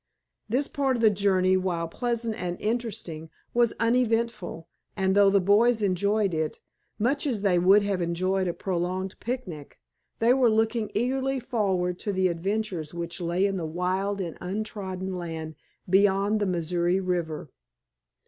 This part of the journey, while pleasant and interesting, was uneventful, and though the boys enjoyed it, much as they would have enjoyed a prolonged picnic, they were looking eagerly forward to the adventures which lay in the wild and untrodden land beyond the Missouri River.